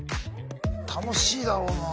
楽しいだろうなぁ。